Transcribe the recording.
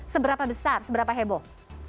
seberapa besar seberapa heboh